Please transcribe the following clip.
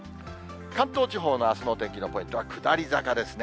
関東地方のあすのお天気のポイントは下り坂ですね。